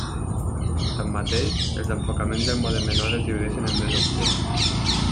Tanmateix, els enfocaments del mode menor es divideixen en dues opcions.